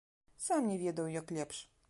Сам не ведаў, як лепш.